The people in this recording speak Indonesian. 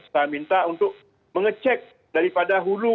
saya minta untuk mengecek daripada hulu